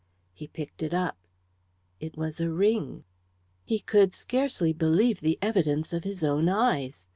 He picked it up. It was a ring. He could scarcely believe the evidence of his own eyes.